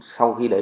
sau khi đấy